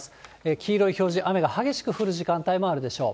黄色い表示、雨が激しく降る時間帯もあるでしょう。